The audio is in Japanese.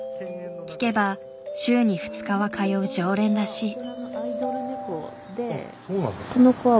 聞けば週に２日は通う常連らしい。